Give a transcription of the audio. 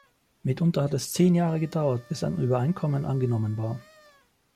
Mitunter hat es zehn Jahre gedauert, bis ein Übereinkommen angenommen war.